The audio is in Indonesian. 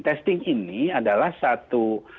testing ini adalah satu